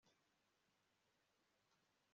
Iyo i Roma kora nkuko Abanyaroma babikora